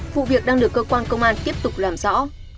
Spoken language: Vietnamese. vụ việc đang được cơ quan công an tiếp tục làm rõ